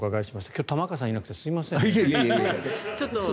今日玉川さんいなくてすいません。